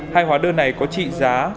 hai hóa đơn này có trị giá